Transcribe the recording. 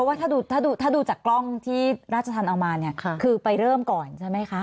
ว่าถ้าดูจากกล้องที่ราชธรรมเอามาเนี่ยคือไปเริ่มก่อนใช่ไหมคะ